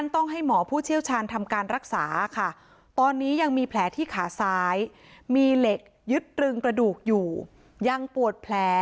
ต้องให้หมอผู้เชี่ยวชาญทำการรักษาค่ะตอนนี้ยังมีแผลที่ขาซ้ายมีเหล็กยึดตรึงกระดูกอยู่ยังปวดแผล